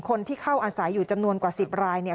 คนที่เข้าอาศัยอยู่จำนวนกว่า๑๐รายเนี่ย